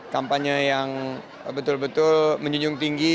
kampanye yang betul betul menjunjung tinggi